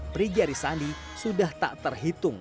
prijari sandi sudah tak terhitung